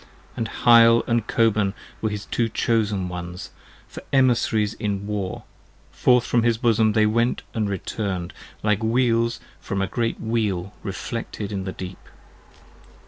And Hyle & Coban were his two chosen ones, for Emissaries In War: forth from his bosom they went and return'd, Like Wheels from a great Wheel reflected in the Deep.